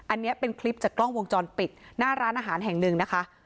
อันนี้เป็นคลิปจากกล้องวงจรปิดหน้าร้านอาหารแห่งหนึ่งนะคะ